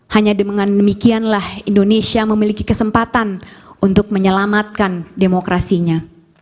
hanya dengan demikianlah indonesia memiliki kesempatan untuk menyelamatkan demokrasinya